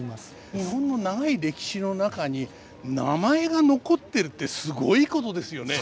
日本の長い歴史の中に名前が残ってるってすごいことですよね。